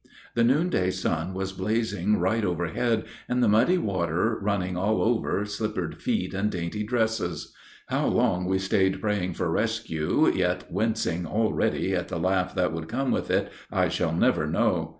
The noonday sun was blazing right overhead, and the muddy water running all over slippered feet and dainty dresses. How long we stayed praying for rescue, yet wincing already at the laugh that would come with it, I shall never know.